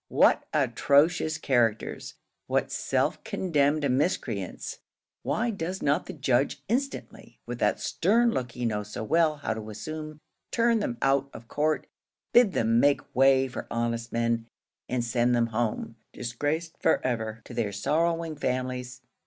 What atrocious characters! what self condemned miscreants! Why does not the judge instantly, with that stern look he knows so well how to assume, turn them out of court, bid them make way for honest men, and send them home, disgraced for ever, to their sorrowing families?